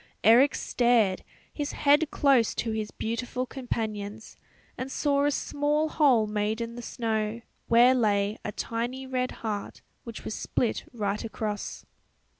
Eric stared, his head close to his beautiful companion's, and saw a small hole made in the snow, where lay a tiny red heart which was split right across.